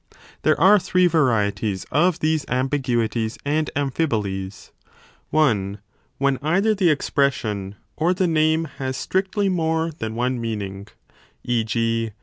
1 There are 15 three varieties of these ambiguities and amphibolies: (i) When either the expression or the name has strictly more than one meaning, e. g.